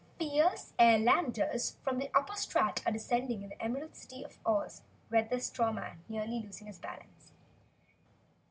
"Fierce Airlanders from the Upper Strat are descending on the Emerald City of Oz," read the Straw Man, nearly losing his balance.